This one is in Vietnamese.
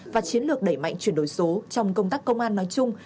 và chiến lược đẩy mạnh chuyển đổi số trong công tác công an nói chung